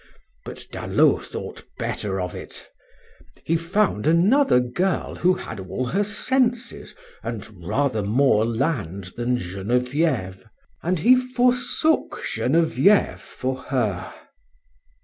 But Dallot thought better of it. He found another girl who had all her senses and rather more land than Genevieve, and he forsook Genevieve for her.